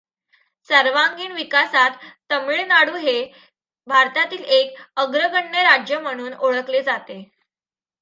सर्वांगीण विकासात तमिळनाडू हे भारतातील एक अग्रगण्य राज्य म्हणून ओळखले जाते.